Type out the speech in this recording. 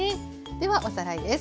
ではおさらいです。